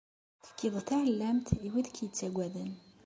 Tefkiḍ taɛellamt i wid i k-ittaggaden.